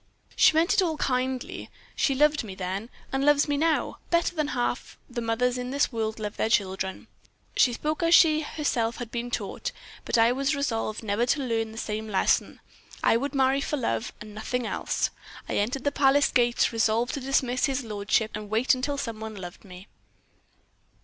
"She meant it all kindly. She loved me then, and loves me now, better than half the mothers in this world love their children. She spoke as she herself had been taught; but I was resolved never to learn the same lesson. I would marry for love, and nothing else. I entered the palace gates, resolved to dismiss his lordship, and to wait until some one loved me.